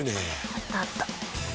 あったあった。